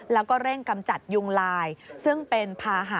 แล้วก็เร่งกำจัดยุงลายซึ่งเป็นภาหะ